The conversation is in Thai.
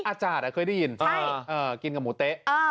อาจารย์เคยได้ยินกินกับหมูเต๊ะ